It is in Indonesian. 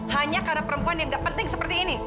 hanya karena perempuan yang gak penting seperti ini